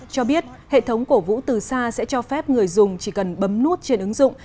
cho biết hệ thống cổ vũ từ xa sẽ cho phép người dùng chỉ cần bấm nút trên ứng dụng